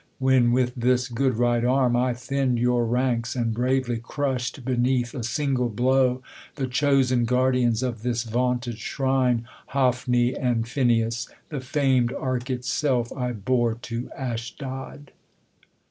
When with this good right arm, I thinn'd your ranks , And bravely crush'd, beneath a single blow, The chosen guardians of this vaunted shrine, Hophni and Phineas. The fam'd ari* itself, I bore to Ashdod.